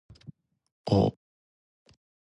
お